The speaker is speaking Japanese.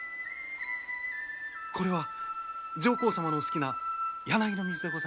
これは上皇様のお好きな柳の水でございます。